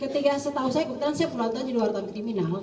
ketiga setahun saya kebetulan saya pulang ke warga kriminal